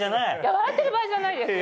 笑ってる場合じゃないですよ！